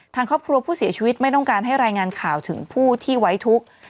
ทางครอบครัวผู้เสียชีวิตไม่ต้องการให้รายงานข่าวถึงผู้ที่ไว้ทุกข์